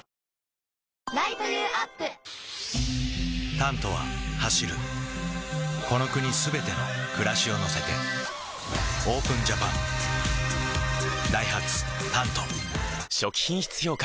「タント」は走るこの国すべての暮らしを乗せてＯＰＥＮＪＡＰＡＮダイハツ「タント」初期品質評価